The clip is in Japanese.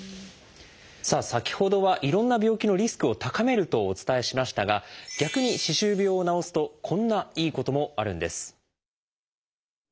さあ先ほどはいろんな病気のリスクを高めるとお伝えしましたが逆に歯周病を治すとこんないいこともあるんです。